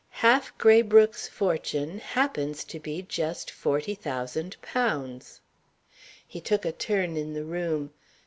Half Graybrooke's fortune happens to be just forty thousand pounds!" He took a turn in the room.